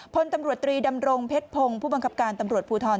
พลตำรวจตรีดำรงเพชรพงศ์ผู้บังคับการตำรวจภูทร